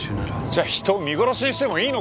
じゃあ人を見殺しにしてもいいのかよ！